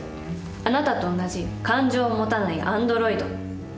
あなたと同じ感情を持たないアンドロイド。